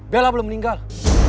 bella belum meninggal